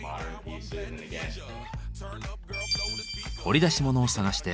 掘り出し物を探して。